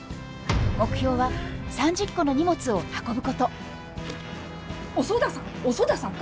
目標は３０個の荷物を運ぶこと遅田さん？